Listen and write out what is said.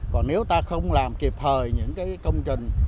còn nếu ta không làm kịp thời những cái công trình